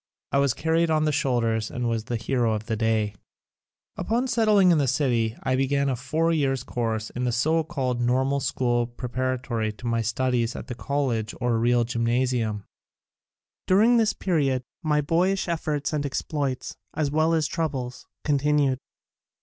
I was carried on the shoulders and was the hero of the day. Upon settling in the city I began a four years' course in the so called Normal School preparatory to my studies at the College or Real Gymnasium. During this period my boyish efforts and exploits, as well as troubles, continued.